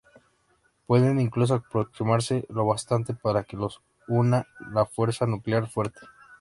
Pueden incluso aproximarse lo bastante para que los una la fuerza nuclear fuerte.